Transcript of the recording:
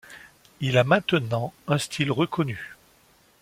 Il a maintenant un style reconnu.